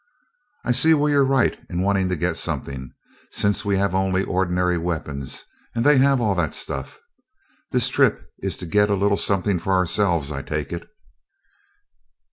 "I see where you're right in wanting to get something, since we have only ordinary weapons and they have all that stuff. This trip is to get a little something for ourselves, I take it?"